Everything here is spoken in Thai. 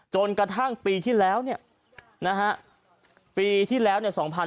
จนกระทั่งปีที่แล้วปีที่แล้ว๒๕๖๒